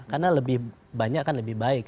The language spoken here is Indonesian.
karena lebih banyak kan lebih baik